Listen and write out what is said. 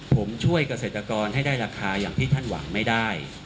ผมช่วยเกษตรกรให้ได้ราคาอย่างที่ท่านหวังไม่ได้